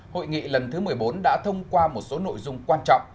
hội nghị lần thứ một mươi bốn đã thông qua một số nội dung quan trọng